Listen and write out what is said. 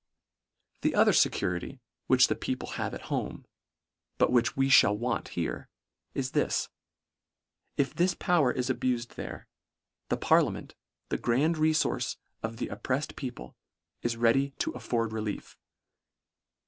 The other fecurity which the people have at home, but which we (hall want here, is this. — If this power is abufed there, the par liament, the grand refource of the oppreft people, is ready to afford relief.